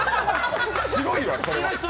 白いわ、それは！